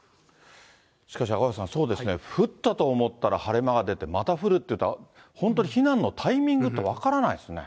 しかし赤星さん、降ったと思ったら晴れ間が出て、また降るっていうと、本当に避難のタイミングって分からないですね。